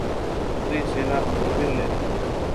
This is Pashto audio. درې سېلابه توپیر لري.